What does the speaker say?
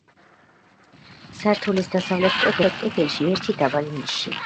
სართულის დასავლეთ კედელში სამი, ხოლო სამხრეთ კედელში ერთი დაბალი ნიშია.